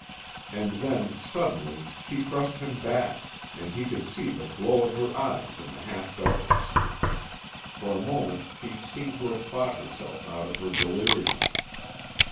And then, suddenly, she thrust him back, and he could see the glow of her eyes in the half darkness. For a moment she seemed to have fought herself out of her delirium.